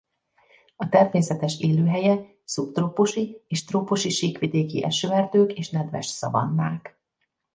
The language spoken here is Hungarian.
A természetes élőhelye szubtrópusi és trópusi síkvidéki esőerdők és nedves szavannák.